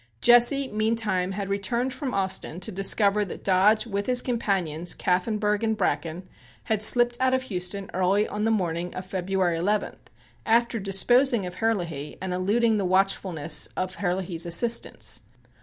Jesse meantime had returned from Austin to discover that Dodge with his companions, Kaffenburgh and Bracken, had slipped out of Houston early in the morning of February 11th, after disposing of Herlihy and eluding the watchfulness of Herlihy's assistants.